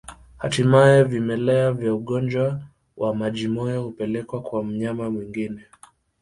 Hatimaye vimelea vya ugonjwa wa majimoyo hupelekwa kwa mnyama mwingine